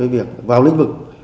vào lĩnh vực